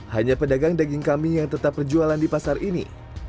hanya pedagang daging kambing yang tetap berjualan di pasar ini